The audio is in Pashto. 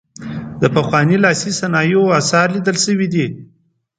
د پخوانیو لاسي صنایعو اثار لیدل شوي دي.